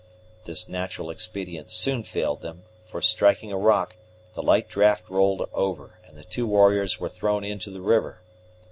This natural expedient soon failed them; for, striking a rock, the light draft rolled over, and the two warriors were thrown into the river.